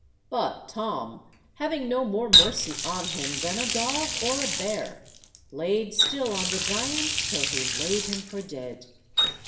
But Tom, having no more mercy on him than a dog or a bear, laid still on the giant till he laid him for dead.